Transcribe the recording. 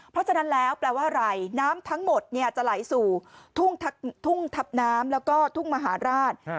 เพราะฉะนั้นแล้วแปลว่าอะไรน้ำทั้งหมดจะไหลสู่ทุ่งทัพน้ำแล้วก็ทุ่งมหาราช